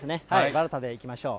ばらたでいきましょう。